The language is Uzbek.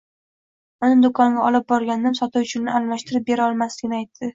Uni do‘konga olib borgandim sotuvchi uni almashtirib bera olmasligini aytdi.